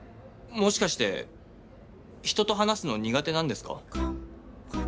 もしかして人と話すの苦手なんですか？